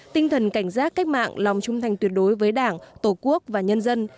tinh thần cảnh giác cách mạng lòng trung thành tuyệt đối với đảng tổ quốc và nhân dân